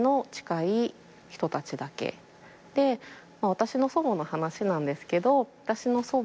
私の祖母の話なんですけど。